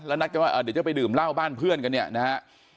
แล้วนัดกันว่าเดี๋ยวจะไปดื่มเหล้าบ้านเพื่อนกันเนี่ยนะฮะ